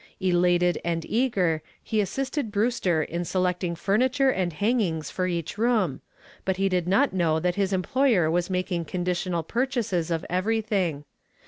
Elated and eager, he assisted Brewster in selecting furniture and hangings for each room, but he did not know that his employer was making conditional purchases of everything.